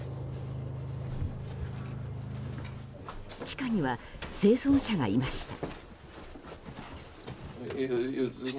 地下には生存者がいました。